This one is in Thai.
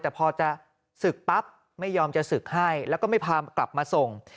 แต่พอจะศึกปั๊บไม่ยอมจะศึกให้แล้วก็ไม่พากลับมาส่ง